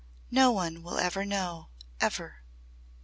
"Now no one will ever know ever."